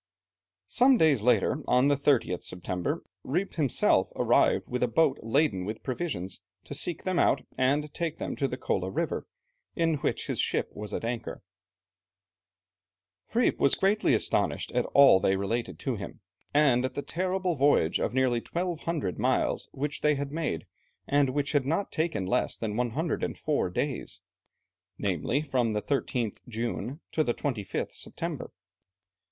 Some days later, on the 30th September, Rijp himself arrived with a boat laden with provisions, to seek them out and take them to the Kola River, in which his ship was at anchor. Rijp was greatly astonished at all that they related to him, and at the terrible voyage of nearly 1200 miles which they had made, and which had not taken less than 104 days namely, from the 13th June to the 25th September.